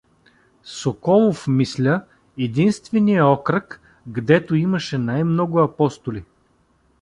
Соколов, мисля, единствения окръг, гдето имаше най-много апостоли.